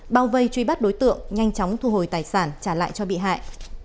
bao vây truy bắt đối tượng nhanh chóng thu hồi tài sản trả lại cho bị hại